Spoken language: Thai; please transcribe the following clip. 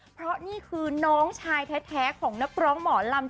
เพราะนี่คือน้องชายแท้ของนักร้องหมอลำ